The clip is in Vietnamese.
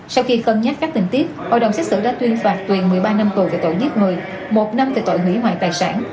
sau khi cân nhắc các tình tiết hội đồng xét xử đã tuyên phạt tuyền một mươi ba năm tù về tội giết người một năm về tội hủy hoại tài sản